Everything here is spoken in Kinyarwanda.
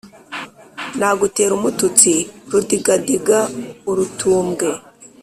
Nagutera umututsi rudigadiga-Urutumbwe.